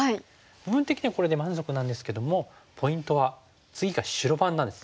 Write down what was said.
部分的にはこれで満足なんですけどもポイントは次が白番なんです。